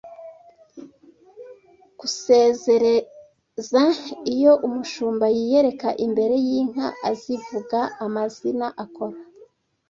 Kuzesereza: Iyo umushumba yiyereka imbere y’inka azivuga amazina akora